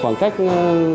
khoảng cách quét mã quy rờ